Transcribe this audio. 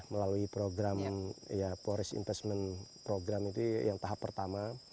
melalui program ya forest investment program itu yang tahap pertama